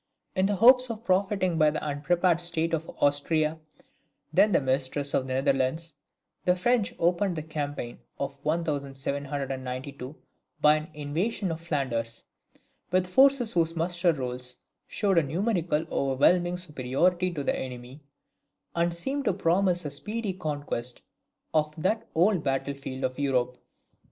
In the hopes of profiting by the unprepared state of Austria, then the mistress of the Netherlands, the French opened the campaign of 1792 by an invasion of Flanders, with forces whose muster rolls showed a numerical overwhelming superiority to the enemy, and seemed to promise a speedy conquest of that old battle field of Europe.